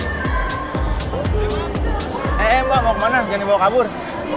eh mbak mau kemana jangan dibawa kabur